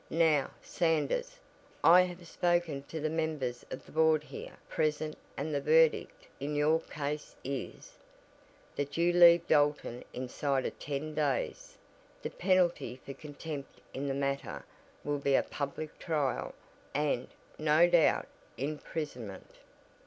Now, Sanders, I have spoken to the members of the board here present and the verdict in your case is that you leave Dalton inside of ten days. The penalty for contempt in the matter will be a public trial, and, no doubt, imprisonment."